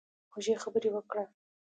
خوږې خبرې وکړه.